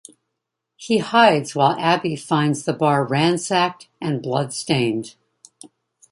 He hides while Abby finds the bar ransacked and bloodstained.